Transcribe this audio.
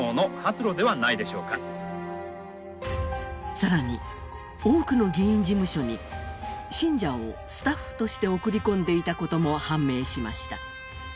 更に、多くの議員事務所に信者をスタッフとして送り込んでいたことも判明しました。